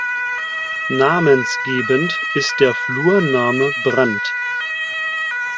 Namensgebend ist der Flurname Brand.